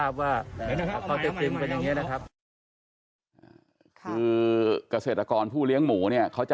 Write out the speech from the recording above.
คือกัศเอกรรณ์ผู้เลี้ยงหมูเนี่ย